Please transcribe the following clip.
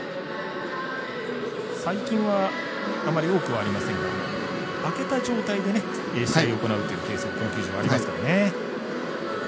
最近はあまり多くはありませんが開けた状態で試合を行うというのもドーム球場はありますからね。